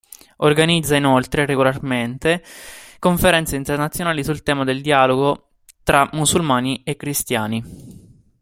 Organizza, inoltre, regolarmente conferenze internazionali sul tema del dialogo tra musulmani e cristiani.